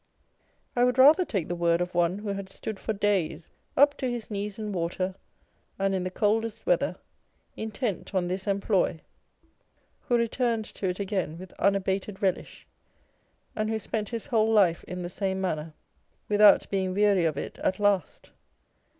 I would rather take the word of one who had stood for days, up to his knees in water, and in the coldest weather, intent on this employ, who returned to it again with unabated relish, and who spent his whole life in the same manner On Egotism. 225 without being weary of it at last.